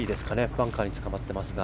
バンカーにつかまってますが。